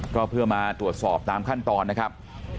ก็เพื่อมาตรวจสอบตามขั้นตอนนะครับ